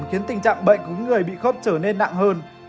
khiến tình trạng bệnh cúm người bị khớp trở nên nặng hơn